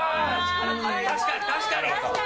確かに、確かに。